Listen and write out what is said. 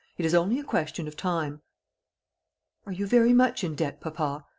It is only a question of time." "Are you very much in debt, papa?"